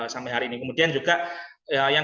sampai hari ini kemudian juga yang